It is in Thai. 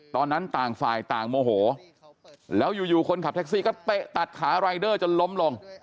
ตอนนั้นต่างฝ่ายต่างโมโหแล้วอยู่คนขับแท็กซี่ก็เตะตัดขารายเดอร์จนล้มลง